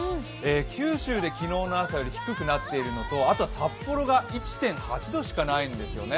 九州で、昨日の朝より低くなっているのと、あとは札幌が１．８度しかないんですね。